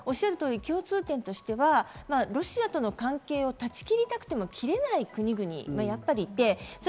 おっしゃる通り共通点としてはロシアとの関係を断ち切りたくても切れない国々。